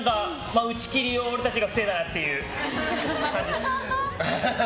打ち切りを俺たちが防いだという感じです。